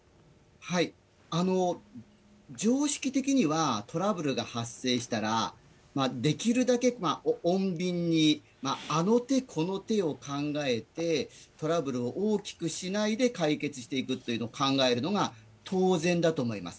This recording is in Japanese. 常識的には、トラブルが発生したら、できるだけ穏便に、あの手この手を考えて、トラブルを大きくしないで解決していくというのを考えるのが当然だと思います。